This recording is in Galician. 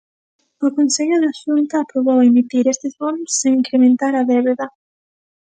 O Consello da Xunta aprobou emitir estes bonos, sen incrementar a débeda.